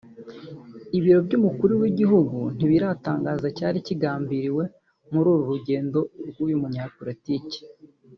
Ibiro by’Umukuru w’Igihugu ntibiratangaza icyari kigambiriwe muri uru rugendo rw’uyu munyapolitiki